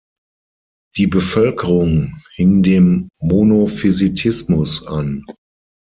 Die Bevölkerung hing dem Monophysitismus an.